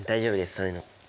そういうの。